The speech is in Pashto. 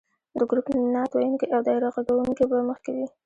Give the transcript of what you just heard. د ګروپ نعت ویونکي او دایره غږونکې به مخکې وي.